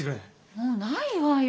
もうないわよ。